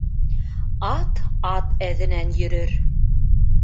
Ат ат әҙенән йөрөр.